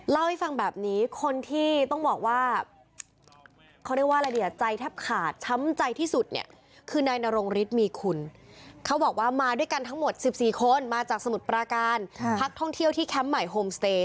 เล่าให้ฟังแบบนี้คนที่ต้องบอกว่าเขาเรียกว่าอะไรดีอ่ะใจแทบขาดช้ำใจที่สุดเนี่ยคือนายนรงฤทธิมีคุณเขาบอกว่ามาด้วยกันทั้งหมด๑๔คนมาจากสมุทรปราการพักท่องเที่ยวที่แคมป์ใหม่โฮมสเตย์